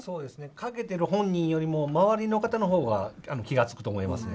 掛けている本人よりも周りの方が気が付くと思います。